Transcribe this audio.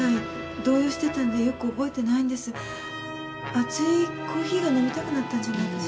熱いコーヒーが飲みたくなったんじゃないかしら。